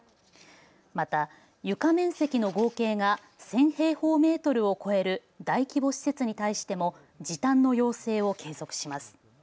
また、床面積の合計が１０００平方メートルを超える大規模施設に対しても時短の要請を継続します。